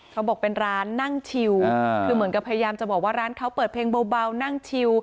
เขาบอกเป็นร้านนั่งชิวคือเหมือนกับพยายามจะบอกว่าร้านเขาเปิดเพลงเบานั่งชิว